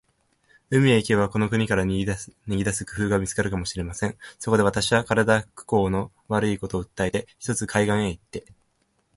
海へ行けば、この国から逃げ出す工夫が見つかるかもしれません。そこで、私は身体工合の悪いことを訴えて、ひとつ海岸へ行って